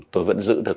tôi vẫn giữ được